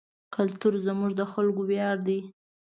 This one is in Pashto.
کلتور زموږ د خلکو ویاړ دی.